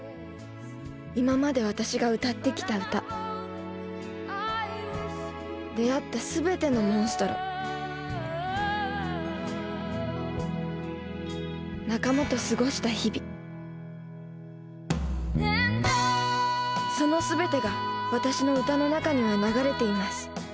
今まで私が歌ってきた歌出会ったすべてのモンストロ仲間と過ごした日々そのすべてが私の歌の中には流れています。